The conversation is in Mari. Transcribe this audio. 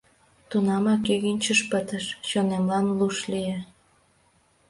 Тунамак ӱгынчыш пытыш, чонемлан луш лие.